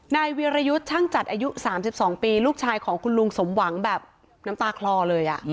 นายวีรยุทธ์ช่างจัดอายุ๓๒ปีลูกชายของคุณลุงสมหวังแบบน้ำตาคลอเลย